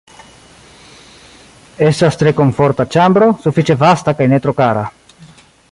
Estas tre komforta ĉambro, sufiĉe vasta kaj ne tro kara.